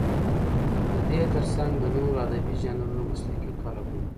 د دې تر څنګ د نورو ادبي ژانرونو مسلکي قالبونه.